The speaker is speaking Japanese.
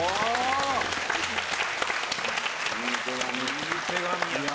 いい手紙や。